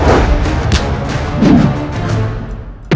jangan jika anda mengubah